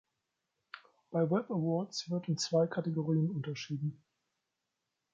Bei Web-Awards wird in zwei Kategorien unterschieden.